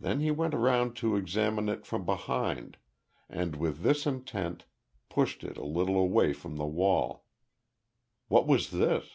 Then he went round to examine it from behind, and with this intent, pushed it a little away from the wall. What was this?